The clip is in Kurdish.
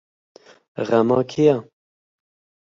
Xema kê ye?